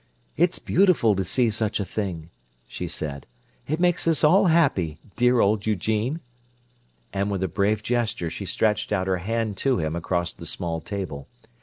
"It's beautiful to see such a thing," she said. "It makes us all happy, dear old Eugene!" And with a brave gesture she stretched out her hand to him across the small table.